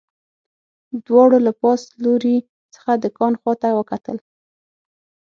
دواړو له پاس لوري څخه د کان خواته وکتل